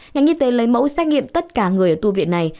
nhà nghi tế lấy mẫu xác nghiệm tất cả người ở tu viện này